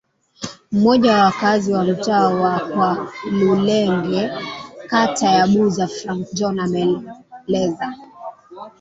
Mmoja wa wakazi wa mtaa wa kwa lulenge kata ya Buza Frank John ameeleza